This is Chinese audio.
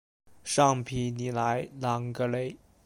尚皮尼莱朗格雷。